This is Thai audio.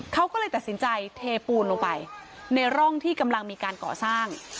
เขาก็เลยตัดสินใจเทปูนลงไปในร่องที่กำลังมีการก่อสร้าง